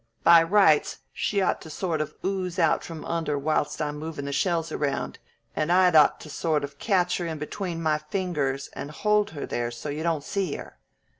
By rights she ought to sort of ooze out from under whilst I'm movin' the shells around, and I'd ought to sort of catch her in between my fingers and hold her there so you don't see her.